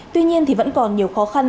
tuy nhiên thì vẫn còn nhiều khó khăn